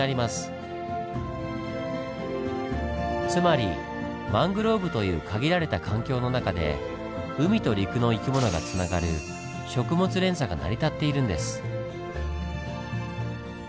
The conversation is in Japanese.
つまりマングローブという限られた環境の中で海と陸の生き物がつながる食物連鎖が成り立っているんです。